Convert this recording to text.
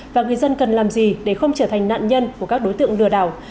và người dân cần làm gì để không trở thành nạn nhân của các đối tượng lừa đảo